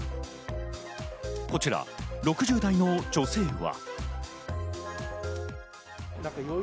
こちら６０代の女性は。